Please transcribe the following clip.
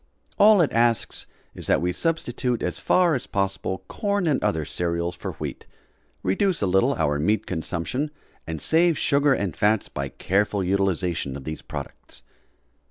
All it asks is that we substitute as far as possible corn and other cereals for wheat, reduce a little our meat consumption and save sugar and fats by careful utilization of these products.